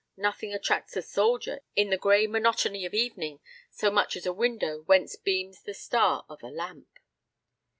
Nothing attracts a soldier in the gray monotony of evening so much as a window whence beams the star of a lamp.